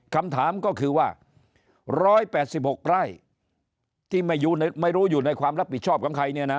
คำถามก็คือว่า๑๘๖ไร่ที่ไม่รู้อยู่ในความรับผิดชอบของใครเนี่ยนะ